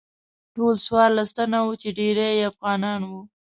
ټول څوارلس تنه شوو چې ډیری یې افغانان وو.